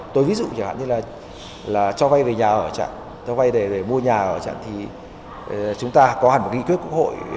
tôi ví dụ như là cho vay về nhà ở chẳng cho vay để mua nhà ở chẳng thì chúng ta có hẳn một nghị quyết của hội